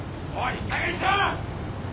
いいかげんにしろ！